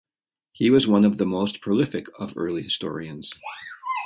He was one of the most prolific of early historians.